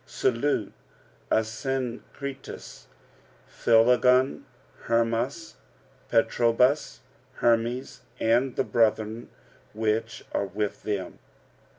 45:016:014 Salute Asyncritus, Phlegon, Hermas, Patrobas, Hermes, and the brethren which are with them.